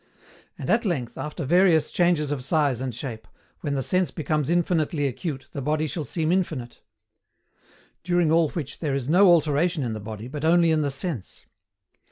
And at length, after various changes of size and shape, when the sense becomes infinitely acute the body shall seem infinite. During all which there is no alteration in the body, but only in the sense.